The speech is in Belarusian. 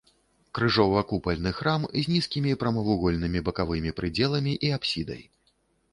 Крыжова-купальны храм з нізкімі прамавугольнымі бакавымі прыдзеламі і апсідай.